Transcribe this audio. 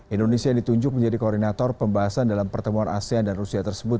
indonesia yang ditunjuk menjadi koordinator pembahasan dalam pertemuan asean dan rusia tersebut